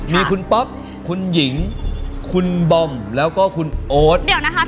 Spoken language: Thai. มีคุณป๊อบคุณหญิงคุณบอมแล้วก็คุณโอ๊ต